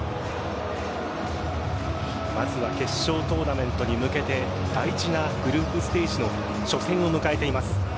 まずは決勝トーナメントに向けて大事なグループステージの初戦を迎えています。